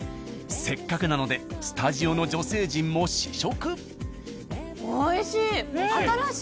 せっかくなのでスタジオの女性陣も試食。